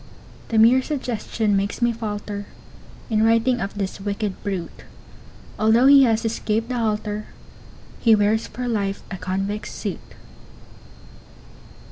The mere suggestion makes me falter In writing of this wicked brute; Although he has escaped the halter, He wears for life a convict's suit.